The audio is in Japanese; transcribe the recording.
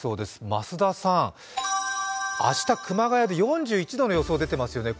増田さん、明日、熊谷で４１度の予想出てますよね？